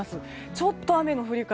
ちょっと雨の降り方